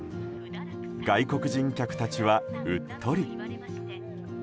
外国人客たちは、うっとり。